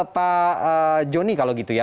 pak jonny kalau gitu ya